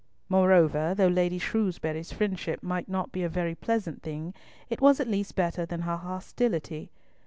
Moreover, though Lady Shrewsbury's friendship might not be a very pleasant thing, it was at least better than her hostility.